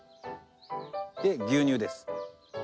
で牛乳です。